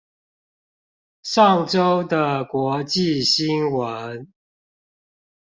上週的國際新聞